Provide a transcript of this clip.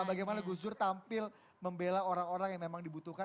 bagaimana gus dur tampil membela orang orang yang memang dibutuhkan